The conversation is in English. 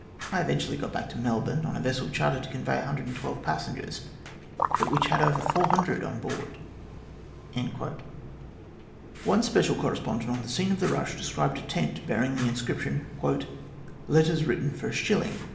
I eventually got back to Melbourne on a vessel chartered to convey 112 passengers, but which had over 400 on board." One special correspondent on the scene of the rush descried a tent bearing the inscription :" Letters written for a shilling."